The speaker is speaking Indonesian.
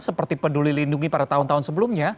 seperti peduli lindungi pada tahun tahun sebelumnya